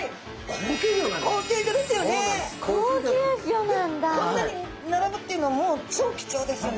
こんなに並ぶっていうのはもう超貴重ですよね。